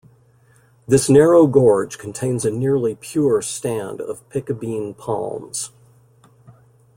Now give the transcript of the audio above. This narrow gorge contains a nearly pure stand of Piccabeen Palms.